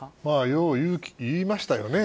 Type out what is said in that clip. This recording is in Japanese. よう言いましたよね。